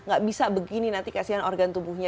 gak bisa begini nanti kasihan organ tubuhnya